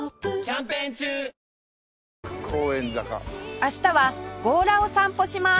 明日は強羅を散歩します